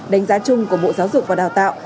đánh giá chung của bộ giáo dục và đào tạo